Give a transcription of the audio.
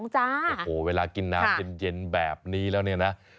๐๘๖๓๐๒๓๔๐๒จ้าโอ้โหเวลากินน้ำเย็นแบบนี้แล้วเนี้ยนะ